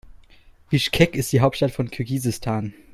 Bischkek ist die Hauptstadt von Kirgisistan.